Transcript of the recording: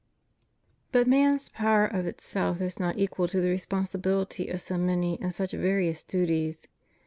But man's power of itself is not equal to the responsi bility of so many and such various duties.